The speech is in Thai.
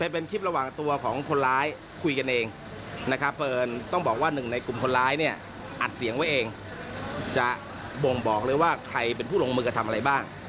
เป็นคลิประหว่างตัวของคนร้ายคุยกันเองนะครับเพราะเอิญต้องบอกว่าหนึ่งในกลุ่มคนร้ายเนี่ยอัดเสียงไว้เองจะบ่งบอกเลยว่าใครเป็นผู้ลงมือกระทำอะไรบ้าง